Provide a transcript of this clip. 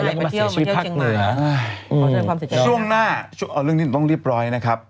เดี๋ยวช่วงหน้าชายอาสาอะไรครับ